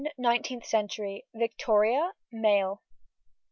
NINETEENTH CENTURY. VICTORIA. MALE.